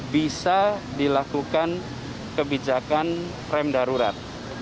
bisa dilakukan kebijakan rem darurat